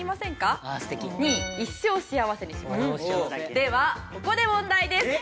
「ではここで問題です」